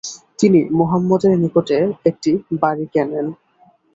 তিনি মুহাম্মাদের নিকটে একটি বাড়ি কেনেন।